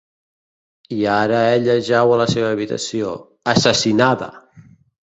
I ara ella jau a la seva habitació, assassinada!